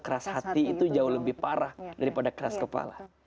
karena hati itu jauh lebih parah daripada keras kepala